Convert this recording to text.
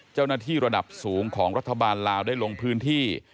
เจ้าหน้าที่ระดับสูงของรัฐบาลลาวได้ลงพื้นที่